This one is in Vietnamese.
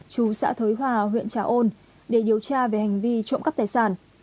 chú xã thới hòa huyện trà ôn để điều tra về hành vi trộm cắp tài sản